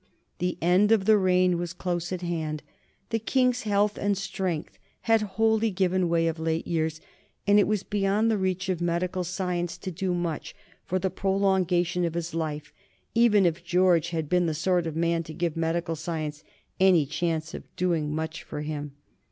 The end of the reign was close at hand. The King's health and strength had wholly given way of late years, and it was beyond the reach of medical science to do much for the prolongation of his life, even if George had been the sort of man to give medical science any chance of doing much for him.